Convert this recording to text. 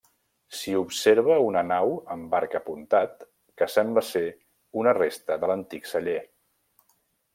S'hi observa una nau amb arc apuntat que sembla ser una resta de l'antic celler.